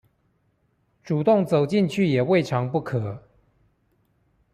主動走進去也未嘗不可